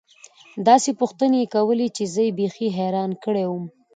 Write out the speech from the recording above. داسې پوښتنې يې کولې چې زه يې بيخي حيران کړى وم.